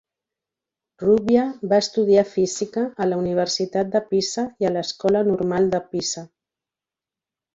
Rubbia va estudiar física a la Universitat de Pisa i a l'Escola Normal de Pisa.